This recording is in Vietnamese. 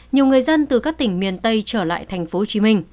nhiều người dân từ các tỉnh miền tây trở lại tp hcm